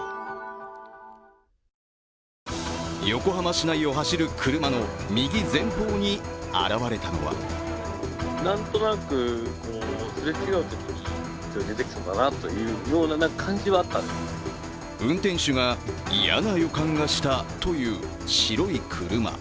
横浜市内を走る車の右前方に現れたのは運転手が嫌な予感がしたという白い車。